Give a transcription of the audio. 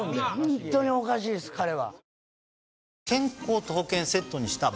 本当におかしいです彼は。